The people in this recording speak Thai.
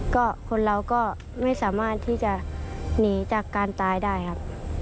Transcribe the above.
ก็คนเราก็ไม่สามารถที่จะหนีจากการตายได้ครับ